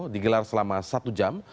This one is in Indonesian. digelar selama satu jam